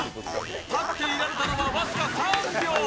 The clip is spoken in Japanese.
立っていられたのは僅か３秒。